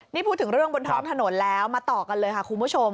นี่พูดถึงเรื่องบนท้องถนนแล้วมาต่อกันเลยค่ะคุณผู้ชม